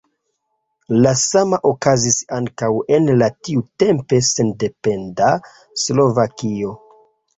La sama okazis ankaŭ en la tiutempe sendependa Slovakio.